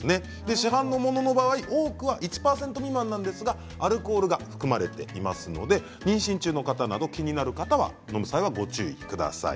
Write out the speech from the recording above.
市販のものの場合、多くは１％未満なんですがアルコールが含まれていますので妊娠中の方など、気になる方は飲む際はご注意ください。